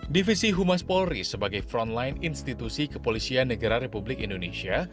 divisi humas polri sebagai front line institusi kepolisian negara republik indonesia